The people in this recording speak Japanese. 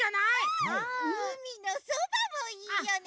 うみのそばもいいよね。